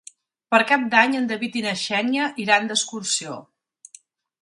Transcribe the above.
Per Cap d'Any en David i na Xènia iran d'excursió.